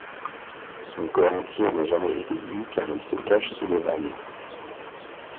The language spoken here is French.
Son corps entier n'a jamais été vu car il se cache sous les vagues.